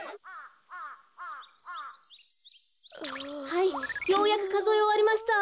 はいようやくかぞえおわりました。